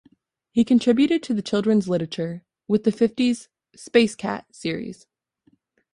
He contributed to children's literature, with the fifties "Space Cat" series.